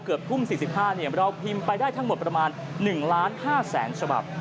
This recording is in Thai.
เกือบทุ่ม๔๕เราพิมพ์ไปได้ทั้งหมดประมาณ๑ล้าน๕แสนฉบับ